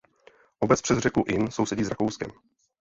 Obec přes řeku Inn sousedí s Rakouskem.